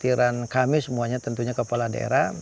kehatiran kami semuanya tentunya kepala daerah